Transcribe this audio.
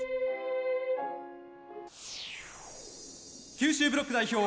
九州ブロック代表